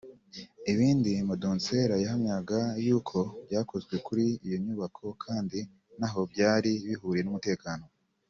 Ibindi Madonsela yahamyaga yuko byakozwe kuri iyo nyubako kandi ntaho byari bihuriye n’umutekano